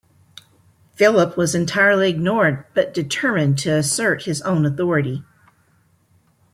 Philip was entirely ignored but determined to assert his own authority.